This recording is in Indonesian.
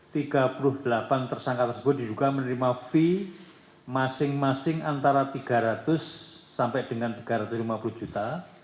tiga puluh delapan tersangka tersebut diduga menerima fee masing masing antara tiga ratus sampai dengan tiga ratus lima puluh juta